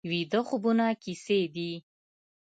ویده خوبونه کیسې دي